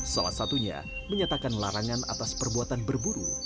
salah satunya menyatakan larangan atas perbuatan berburu